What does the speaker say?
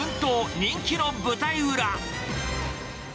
人気の舞台裏。